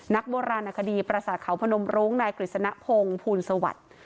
นักบัวรานคดีปราศาสตร์เขาพนมรุงนายกริสนพงค์ภูลสวัตดิ์